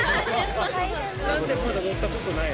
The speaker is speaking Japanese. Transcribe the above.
なんでまだ乗ったことないの？